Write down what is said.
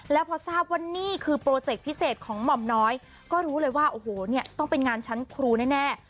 แล้วพอทราบว่านี่คือโปรเจกต์พิเศษของหม่อมน้อยก็รู้เลยว่าโอ้โหเนี่ยต้องเป็นงานชั้นครูแน่